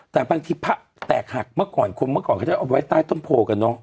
แต่บางทีพระแตกหักเมื่อก่อนคนเมื่อก่อนเขาจะเอาไว้ใต้ต้นโพกันเนอะ